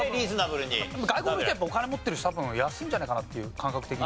外国の人はお金持ってるし多分安いんじゃないかなっていう感覚的に。